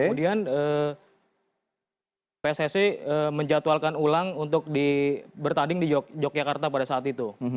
nah kemudian pssc menjatuhkan ulang untuk di bertanding di yogyakarta pada saat itu